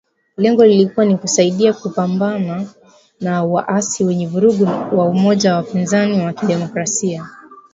Lengo lilikuwa ni kusaidia kupambana na waasi wenye vurugu wa Umoja wa wapiganaji wa Kidemokrasia.